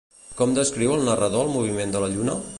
Com descriu el narrador el moviment de la lluna?